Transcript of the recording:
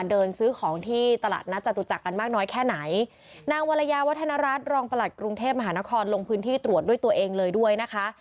เดินซื้อของที่ตลาดนัดจตุจักรกันมากน้อยแค่ไหนนางวรยาวัฒนรัฐรองประหลัดกรุงเทพมหานครลงพื้นที่ตรวจด้วยตัวเองเลยด้วยนะคะ